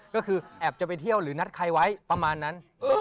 ก็คือแอบจะไปเที่ยวหรือนัดใครไว้ประมาณนั้น